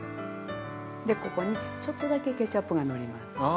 でここにちょっとだけケチャップがのります。